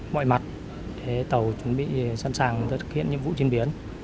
mọi mặt để tàu chuẩn bị sẵn sàng thực hiện nhiệm vụ trên biển